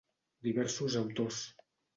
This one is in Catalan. Diversos Autors.